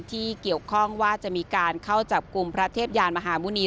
ที่เกี่ยวข้องว่าจะมีการเข้าจับกลุ่มพระเทพยานมหาหมุณี